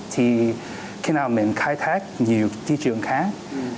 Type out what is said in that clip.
thì khi nào mình khai thác nhiều thị trường khác